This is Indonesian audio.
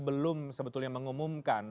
belum sebetulnya mengumumkan